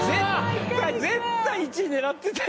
絶対１位狙ってたよな。